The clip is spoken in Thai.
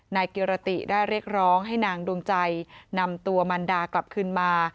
นายกิรติได้เรียกร้องให้นางดวงใจนำตัวมันดากลับขึ้นมา